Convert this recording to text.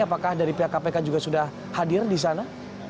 apakah dari pihak kpk juga sudah hadir di sana